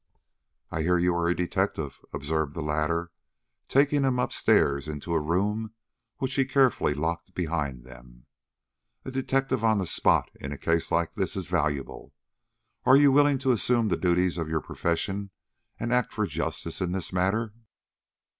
"I hear you are a detective," observed the latter, taking him up stairs into a room which he carefully locked behind them. "A detective on the spot in a case like this is valuable; are you willing to assume the duties of your profession and act for justice in this matter?"